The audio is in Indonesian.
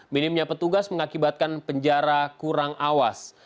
minimnya petugas mengakibatkan penjara kurang awas